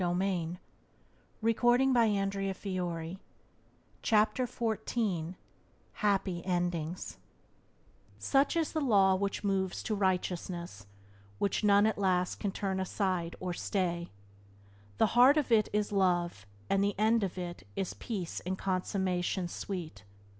Byways to Blessedness by James Allen Happy Endings "Such is the Law which moves to righteousness, Which none at last can turn aside or stay; The heart of it is Love, the end of it Is peace and consummation sweet.